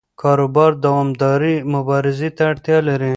کاروبار دوامدارې مبارزې ته اړتیا لري.